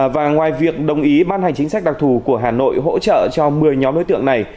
và ngoài việc đồng ý ban hành chính sách đặc thù của hà nội hỗ trợ cho một mươi nhóm đối tượng này